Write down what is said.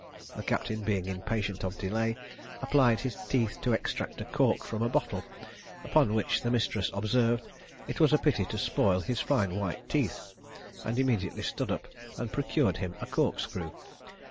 The captain being impatient of delay, applied his teeth to extract a cork from a bottle; upon which the mistress observed "it was a pity to spoil his fine white teeth," and immediately stood up and procured him a corkscrew.